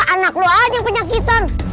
anak lo aja yang penyakitan